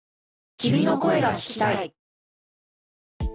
「君の声が聴きたい」。